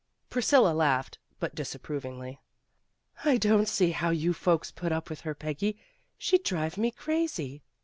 Priscilla laughed, but disapprovingly. "I don't see how you folks put up with her, Peggy. She'd drive me crazy."